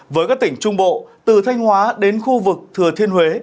với các tỉnh trung bộ từ thanh hóa đến khu vực thừa thiên huế